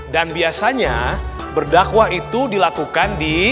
biasanya berdakwah itu dilakukan di